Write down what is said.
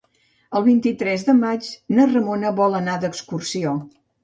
El vint-i-tres de maig na Ramona vol anar d'excursió.